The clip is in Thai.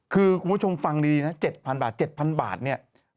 คือคุณผู้ชมฟังดีนะ๗๐๐บาท๗๐๐บาทเนี่ย